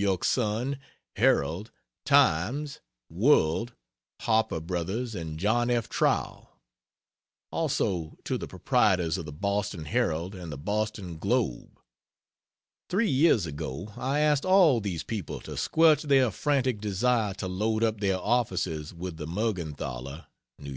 Y. Sun, Herald, Times, World, Harper Brothers and John F. Trow; also to the proprietors of the Boston Herald and the Boston Globe. Three years ago I asked all these people to squelch their frantic desire to load up their offices with the Mergenthaler (N. Y.